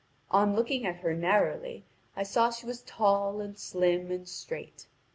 On looking at her narrowly I saw she was tall and slim and straight.